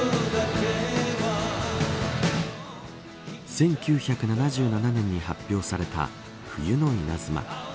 １９７７年に発表された冬の稲妻。